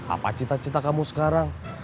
apa cita cita kamu sekarang